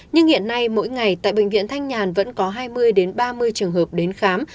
nhưng hiện nay mỗi ngày tại bệnh viện thanh nhàn vẫn có hai mươi ba mươi trường hợp đến khám